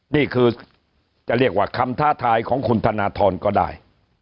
นี่คือจะเรียกว่าคำท้าทายของคุณธนทรก็ได้